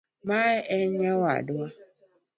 Mae en nyawadwa.